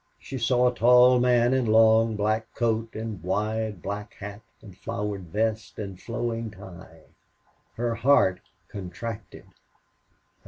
She saw a tall man in long black coat and wide black hat and flowered vest and flowing tie. Her heart contracted.